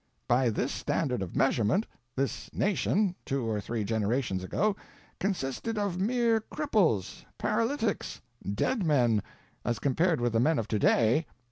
By this standard of measurement, this nation, two or three generations ago, consisted of mere cripples, paralytics, dead men, as compared with the men of to day.